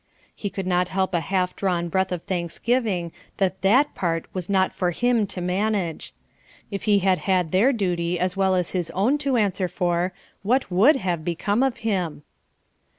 He could not help a half drawn breath of thanksgiving that that part was not for him to manage. If he had had their duty as well as his own to answer for what would have become of him!